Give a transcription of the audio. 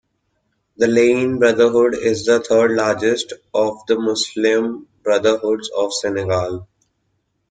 The Layene brotherhood is the third largest of the Muslim brotherhoods of Senegal.